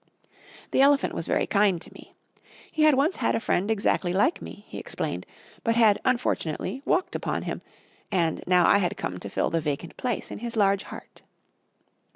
The elephant was very kind to me. He had once had a friend exactly like me, he explained, but had unfortunately walked upon him, and now I had come to fill the vacant place in his large heart.